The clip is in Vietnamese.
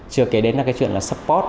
trừ kể đến cái chuyện là support